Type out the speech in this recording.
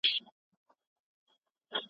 د کوچني خير په مقابل کي د لوی خير انتخاب کړئ.